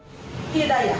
di turun kan hidup hidayah